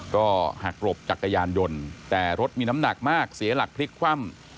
ก็หักหลบจักรยานยนต์แต่รถมีน้ำหนักมากเสียหลักพลิกคว่ำ